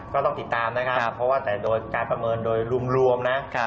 ก็ต้องติดตามนะครับเพราะว่าแต่โดยการประเมินโดยรวมนะ